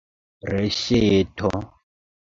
Reŝeto!